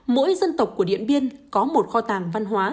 mỗi dân tộc của điện biên có một kho tàng văn hóa